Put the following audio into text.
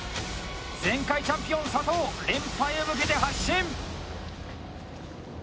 前回チャンピオン佐藤連覇へ向けて発進！